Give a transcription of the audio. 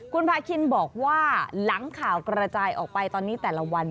คุณพาคินบอกว่าหลังข่าวกระจายออกไปตอนนี้แต่ละวัน